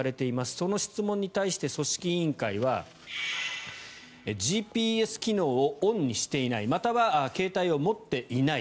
その質問に対して組織委員会はＧＰＳ機能をオンにしていないまたは携帯を持っていない